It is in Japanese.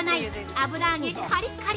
油揚げカリカリ！